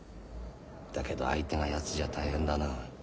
だけど相手がヤツじゃ大変だな。